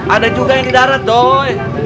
ada juga yang di darat dong